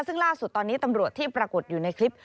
ซึ่งล่าสุดตอนนี้ตำรวจที่ปรากฏอยู่ในคลิป